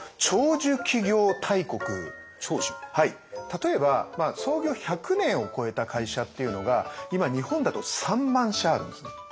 はい例えば創業１００年を超えた会社っていうのが今日本だと３万社あるんですね。